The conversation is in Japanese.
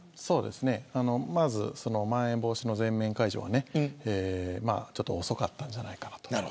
そうですね、まずまん延防止の全面解除はねちょっと遅かったんじゃないかなと。